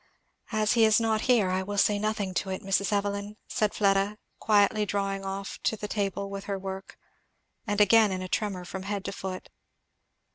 "As he is not here I will say nothing to it, Mrs. Evelyn," said Fleda, quietly drawing off to the table with her work, and again in a tremor from head to foot.